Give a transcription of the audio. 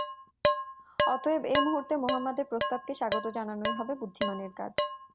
অতএব, এ মুহূর্তে মুহাম্মাদের প্রস্তাবকে স্বাগত জানানোই হবে বুদ্ধিমানের কাজ।